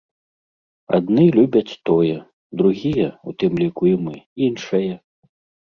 Адны любяць тое, другія, у тым ліку і мы, іншае.